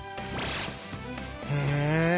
へえ。